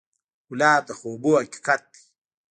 ګلاب د خوبونو حقیقت دی.